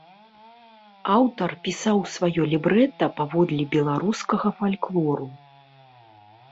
Аўтар пісаў сваё лібрэта паводле беларускага фальклору.